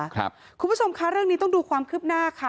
คุณผู้ชมคะเรื่องนี้ต้องดูความคืบหน้าค่ะ